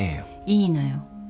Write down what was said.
いいのよ。